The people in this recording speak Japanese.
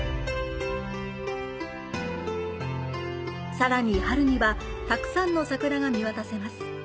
さらに春には、たくさんの桜が見渡せます。